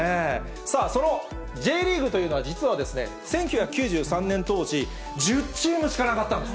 さあ、そのＪリーグというのは、実は１９９３年当時、１０チームしかなかったんです。